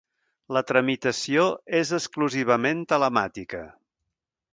La tramitació és exclusivament telemàtica.